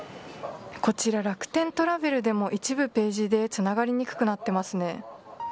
こちら楽天トラベルでも一部ページでつながりにくくなっていますね。